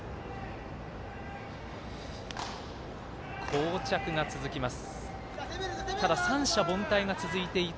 こう着が続きます。